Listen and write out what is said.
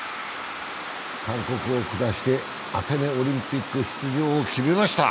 韓国を下してアテネオリンピック出場を決めました。